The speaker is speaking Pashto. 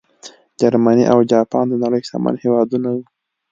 جرمني او جاپان د نړۍ شتمن هېوادونه وو.